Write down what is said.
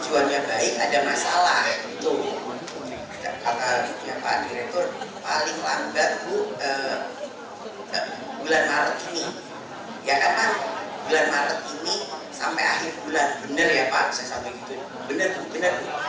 puan juga menyerahkan kemenang agar menyalurkannya langsung ke rekening guru penerima bantuan